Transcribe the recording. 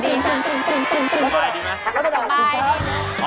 ไปดีไหม